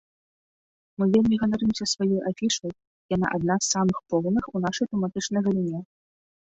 Мы вельмі ганарымся сваёй афішай, яна адна з самых поўных у нашай тэматычнай галіне.